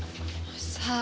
さあ。